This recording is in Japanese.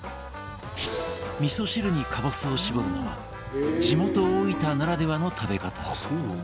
みそ汁にカボスを搾るのは地元・大分ならではの食べ方。